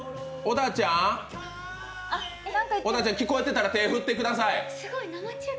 オダチャン聞こえてたら手振ってください。